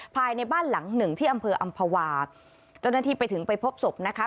ภายในบ้านหลังหนึ่งที่อำเภออำภาวาเจ้าหน้าที่ไปถึงไปพบศพนะคะ